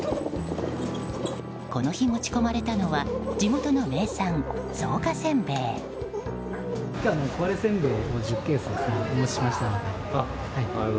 この日、持ち込まれたのは地元の名産、草加せんべい。